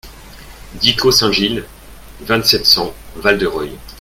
dix clos Saint-Gilles, vingt-sept, cent, Val-de-Reuil